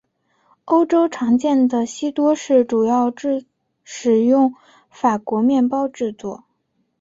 欧洲常见的西多士主要使用法国面包制作。